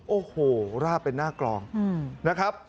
โอ้โหราบเป็นหน้ากลองนะครับ